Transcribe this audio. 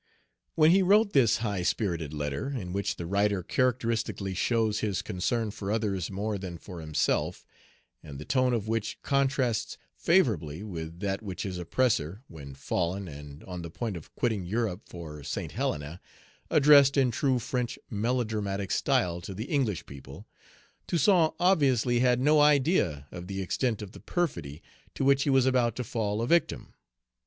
When he wrote this high spirited letter, in which the writer characteristically shows his concern for others more than for himself, and the tone of which contrasts favorably with that which his oppressor, when fallen, and on the point of quitting Europe for Saint Helena, addressed in true French melodramatic style to the English people, Toussaint obviously had no idea of the extent of the perfidy to which he was about to fall a victim.